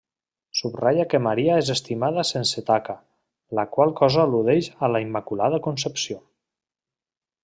Subratlla que Maria és estimada sense taca; la qual cosa al·ludeix a la Immaculada Concepció.